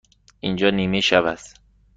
اینجا نیمه شب است.